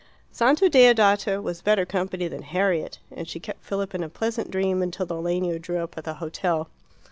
Santa Deodata was better company than Harriet, and she kept Philip in a pleasant dream until the legno drew up at the hotel.